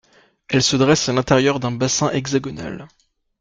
Elle se dresse à l’intérieur d’un bassin hexagonal.